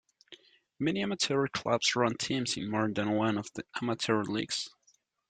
Many amateur clubs run teams in more than one of the amateur leagues.